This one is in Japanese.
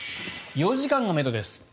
４時間がめどです。